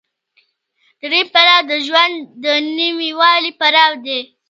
درېیم پړاو د ژوند د نويوالي پړاو دی